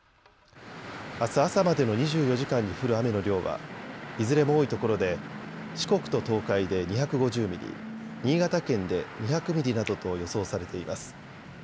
あす朝までの２４時間に降る雨の量はいずれも多いところで四国と東海で２５０ミリ、新潟県で２００ミリなどと予想されています。